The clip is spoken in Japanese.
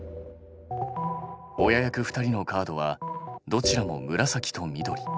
親役２人のカードはどちらも紫と緑。